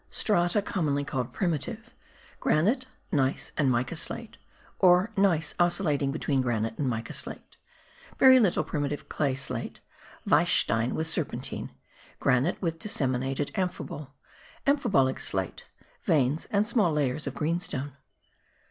Strata commonly called Primitive; granite, gneiss and mica slate (or gneiss oscillating between granite and mica slate); very little primitive clay slate; weisstein with serpentine; granite with disseminated amphibole; amphibolic slate; veins and small layers of greenstone.